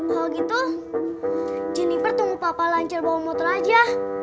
kalau gitu jeniper tunggu papa lancar bawa motor aja